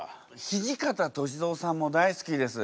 土方歳三さんも大好きです。